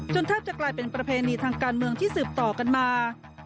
แทบจะกลายเป็นประเพณีทางการเมืองที่สืบต่อกันมา